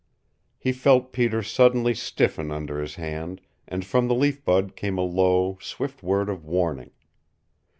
He felt Peter suddenly stiffen under his hand, and from the Leaf Bud came a low, swift word of warning.